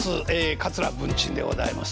桂文珍でございます。